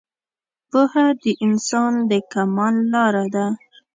پوهه د انسان د کمال لاره ده